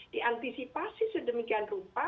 diantisipasi sedemikian rupa